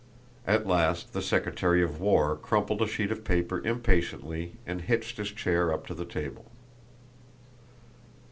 At last the secretary of war crumpled a sheet of paper impatiently and hitched his chair up to the table.